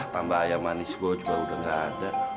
tambah aya manis gue juga udah gak ada